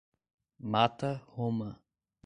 Mata Roma